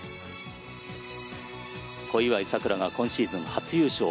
小祝さくらが今シーズン初優勝。